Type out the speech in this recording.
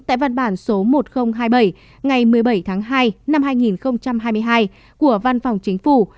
tại văn bản số một nghìn hai mươi bảy ngày một mươi bảy tháng hai năm hai nghìn hai mươi hai của văn phòng chính phủ